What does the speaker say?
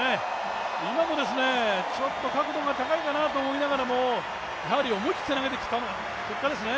今もちょっと角度が高いかなと思いながらもやはり思い切って投げてきた結果ですね。